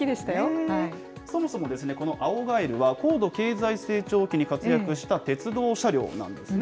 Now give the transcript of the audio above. そもそもこの青ガエルは、高度経済成長期に活躍した鉄道車両なんですね。